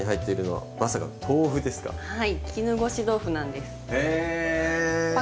はい。